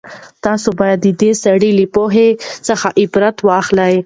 تاسو بايد د دې سړي له پوهې څخه عبرت واخلئ.